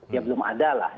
ya belum ada lah